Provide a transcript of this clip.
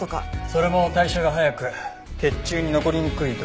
それも代謝が早く血中に残りにくい毒物で。